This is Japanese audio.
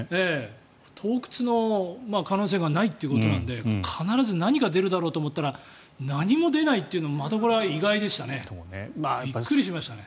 盗掘の可能性がないっていうことなので必ず何か出るだろうと思ったら何も出ないというのもまた意外でしたねびっくりしましたね。